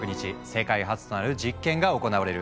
世界初となる実験が行われる。